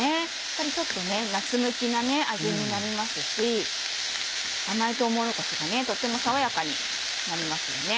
やっぱりちょっとね夏向きな味になりますし甘いとうもろこしがとっても爽やかになりますよね。